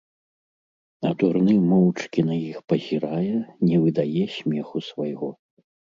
А дурны моўчкі на іх пазірае, не выдае смеху свайго.